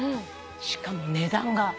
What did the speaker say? しかも値段が。